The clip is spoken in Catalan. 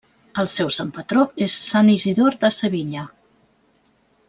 El seu sant patró és sant Isidor de Sevilla.